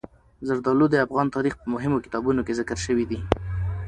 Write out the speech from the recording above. زردالو د افغان تاریخ په مهمو کتابونو کې ذکر شوي دي.